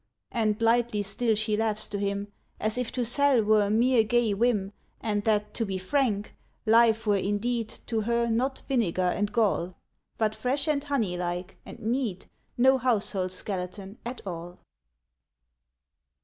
And lightly still she laughs to him, As if to sell were a mere gay whim, And that, to be frank, Life were indeed To her not vinegar and gall, But fresh and honey like; and Need No household skeleton at all.